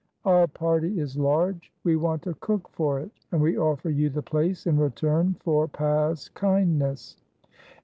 "Our party is large; we want a cook for it, and we offer you the place in return for past kindness."